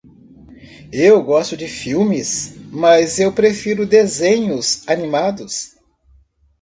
Eu gosto de filmes?, mas eu prefiro desenhos animados.